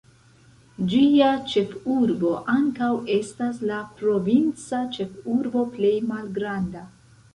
Ĝia ĉefurbo ankaŭ estas la provinca ĉefurbo plej malgranda.